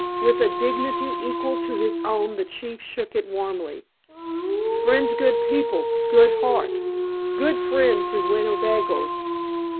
With a dignity equal to his own the chief shook it warmly. "Friends good people. Good heart. Good friend to Winnebagoes."